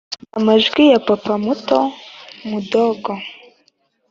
amajwi ya papa muto(mudogo)